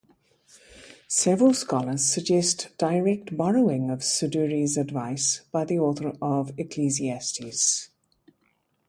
Several scholars suggest direct borrowing of Siduri's advice by the author of Ecclesiastes.